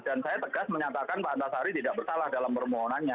dan saya tegas menyatakan pak antasari tidak bersalah dalam permohonannya